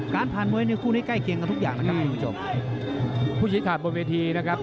การผ่านมวยในคู่นี้ใกล้เคียงกันทุกอย่างนะครับคุณผู้ชมผู้ชี้ขาดบนเวทีนะครับ